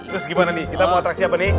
terus gimana nih kita mau atraksi apa nih